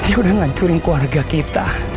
dia udah ngancurin keluarga kita